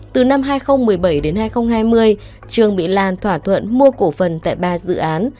từ năm hai nghìn một mươi bảy đến hai nghìn hai mươi trường bị lan thỏa thuận mua cổ phần tại ba dự án